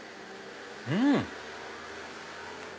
うん！